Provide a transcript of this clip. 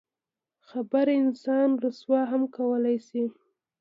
خبره انسان رسوا هم کولی شي.